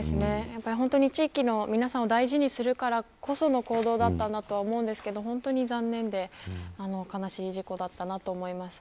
地域の皆さんを大事にするからこその行動だったんだと思うんですけど本当に残念で悲しい事故だったなと思います。